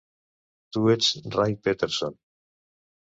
Tu ets Ray Peterson.